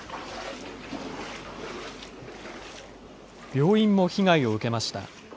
病院も被害を受けました。